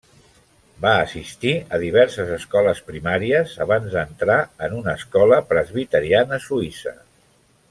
Va assistir a diverses escoles primàries abans d'entrar en una escola presbiteriana suïssa.